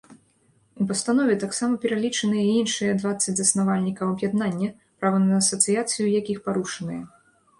У пастанове таксама пералічаныя іншыя дваццаць заснавальнікаў аб'яднання, права на асацыяцыю якіх парушанае.